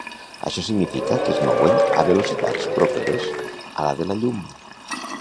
Això significa que es mouen a velocitats properes a la de la llum.